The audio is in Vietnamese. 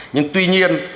nhưng tuy nhiên